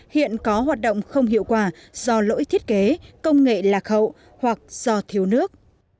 hiện có hoạt động không hiệu quả do lỗi thiết kế công nghệ lạc hậu hoặc do thiếu nước